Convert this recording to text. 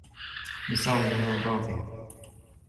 لسعيها راضية